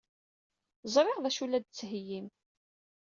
Ẓriɣ d acu ay la d-tettheyyim.